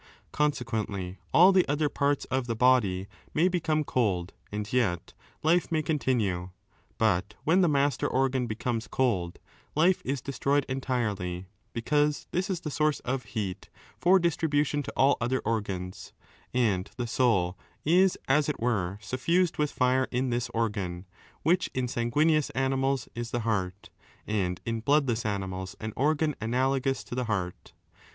Consequently, all the other parts of the body may become cold and yet life may continue, but when the master organ becomes cold, life is destroyed entirely, because this is the source of heat for distribution to all other organs, and the soul is as it were suffused with fire in this organ, which in sanguineous animals is the heart, and in bloodless animals an organ analogous to the heart.